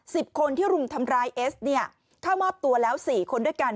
สิบคนที่รุมทำร้ายเอสเนี่ยเข้ามอบตัวแล้วสี่คนด้วยกัน